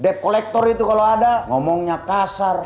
depkolektor itu kalau ada ngomongnya kasar